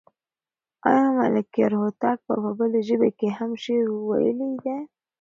آیا ملکیار هوتک په بلې ژبې هم شعر ویلی دی؟